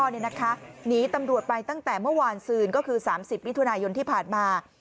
หนีตำรวจไปตั้งแต่เมื่อวานซืนก็คือ๓๐มิถุนายนที่ผ่านมา